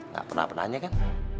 gak pernah pernahnya kan